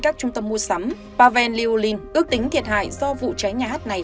các trung tâm mua sắm pavel liulin ước tính thiệt hại do vụ cháy nhà hát này